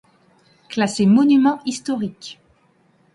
Classé monument historique.